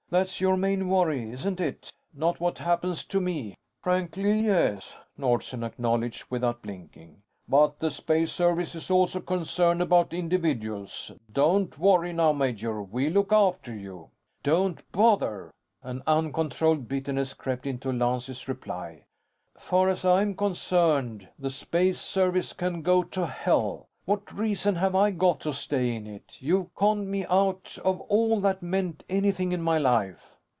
That's your main worry, isn't it? Not what happens to me." "Frankly, yes," Nordsen acknowledged, without blinking. "But the Space Service is also concerned about individuals. Don't worry now, major. We'll look after you." "Don't bother!" An uncontrolled bitterness crept into Lance's reply. "Far as I'm concerned, the Space Service can go to hell. What reason have I got to stay in it? You've conned me out of all that meant anything in my life."